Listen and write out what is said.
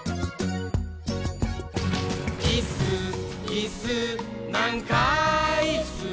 「いっすーいっすーなんかいっすー」